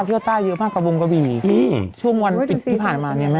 เที่ยวต้นเยอะมากกับวงกบรีช่วงวันที่ผ่านมาเนี่ยแม่